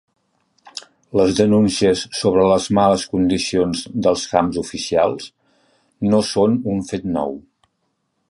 Les denúncies sobre les males condicions dels camps oficials no són un fet nou.